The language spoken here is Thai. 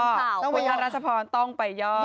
ต้องไปยอดรัฐสภรรณ์ต้องไปยอด